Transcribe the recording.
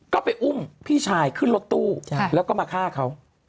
ก็ไปอุ้มพี่ชายขึ้นรถตู้แล้วก็มาฆ่าเขา